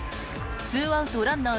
２アウトランナー